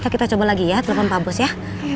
kita coba lagi ya telepon pak bus ya